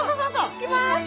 いきます！